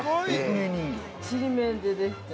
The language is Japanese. ◆ちりめんでできている。